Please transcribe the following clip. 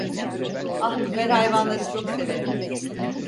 Ah, ben hayvanları çok severim.